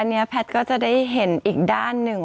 อันนี้แพทย์ก็จะได้เห็นอีกด้านหนึ่ง